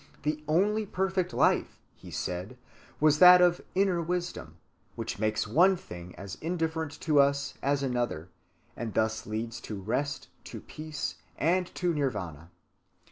The only perfect life, he said, is that of inner wisdom, which makes one thing as indifferent to us as another, and thus leads to rest, to peace, and to Nirvâna.